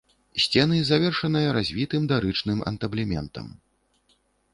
Сцены завершаныя развітым дарычным антаблементам.